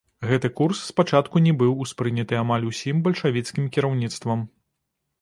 Гэты курс спачатку не быў успрыняты амаль усім бальшавіцкім кіраўніцтвам.